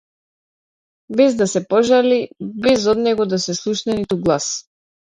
Без да се пожали, без од него да се слушне ниту глас.